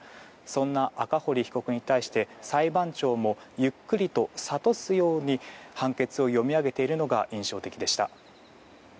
そんな赤堀被告に対して裁判長もゆっくりと諭すように判決を読み上げているのが印象的でした。